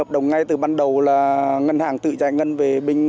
đồng ngay từ ban đầu là ngân hàng tự trải ngân về bên ngư dân